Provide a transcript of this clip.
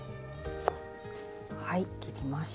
はい切りました。